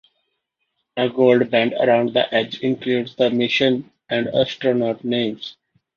A gold band around the edge includes the mission and astronaut names.